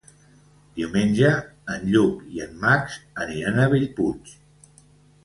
Diumenge en Lluc i en Max aniran a Bellpuig.